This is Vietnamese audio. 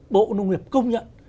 bộ nông nghiệp công nhận